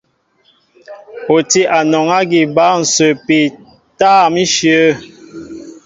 O tí anɔŋ ágí bǎl ǹsəpi tâm íshyə̂.